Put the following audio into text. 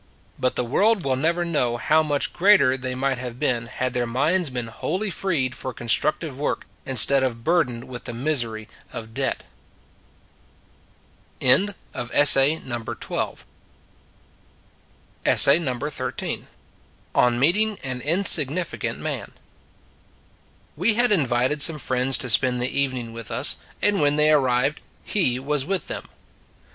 But the world will never know how much greater they might have been had their minds been wholly freed for constructive work instead of burdened with the misery of debt. ON MEETING AN INSIG NIFICANT MAN WE had invited some friends to spend the evening with us ; and when they arrived, he was with them.